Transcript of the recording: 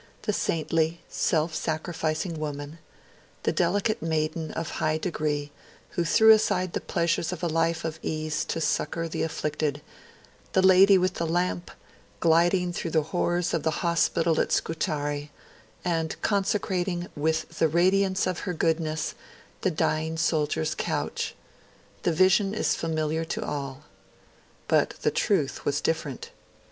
The saintly, self sacrificing woman, the delicate maiden of high degree who threw aside the pleasures of a life of ease to succour the afflicted; the Lady with the Lamp, gliding through the horrors of the hospital at Scutari, and consecrating with the radiance of her goodness the dying soldier's couch. The vision is familiar to all but the truth was different.